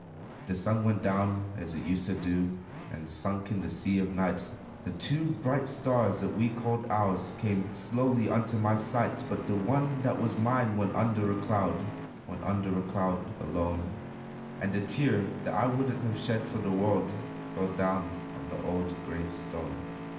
The sun went down as it used to do, And sunk in the sea of night; The two bright stars that we called ours Came slowly unto my sight; But the one that was mine went under a cloud Went under a cloud, alone; And a tear that I wouldn't have shed for the world, Fell down on the old gray stone.